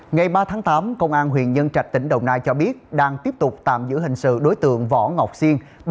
ngày ba tháng tám công an huyện nhân trạch tỉnh đồng nai cho biết đang tiếp tục tạm giữ hình sự đối tượng võ ngọc siên